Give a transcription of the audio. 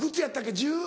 １０。